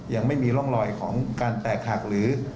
ยังไม่มีร่องรอยของการแตกหักหรือ